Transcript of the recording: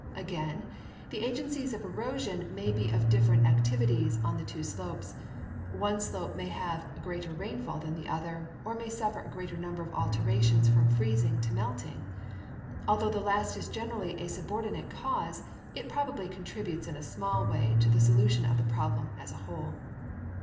Again, the agencies of erosion may be of different activities on the two slopes; one slope may have a greater rainfall than the other, or may suffer a greater number of alterations from freezing to melt ing. Although the last is generall}'' a subordinate cause, it prob ably contributes in a small way to the solution of the problem as a whole.